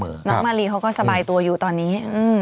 น้องมารีเขาก็สบายตัวอยู่ตอนนี้